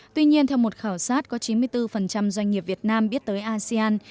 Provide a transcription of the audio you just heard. tuy nhiên theo một khảo sát có chín mươi bốn doanh nghiệp việt nam biết tới asean